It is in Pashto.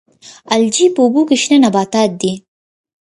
الجی په اوبو کې شنه نباتات دي